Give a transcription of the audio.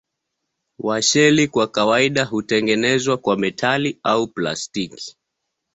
Washeli kwa kawaida hutengenezwa kwa metali au plastiki.